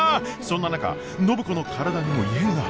そんな中暢子の体にも異変が！？